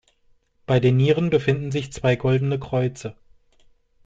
Bei den Nieren befinden sich zwei goldene Kreuze.